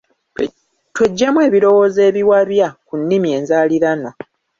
Tweggyemu ebirowoozo ebiwabya ku nnimi enzaaliranwa.